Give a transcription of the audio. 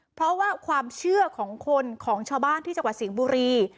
เพราะว่าความเชื่อของคนของชาวบ้านที่จังหวัดสิงห์บุรี